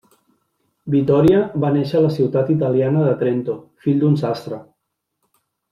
Vittoria va néixer a la ciutat italiana de Trento, fill d'un sastre.